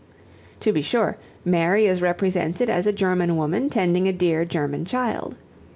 To be sure, Mary is represented as a German woman tending a dear German child.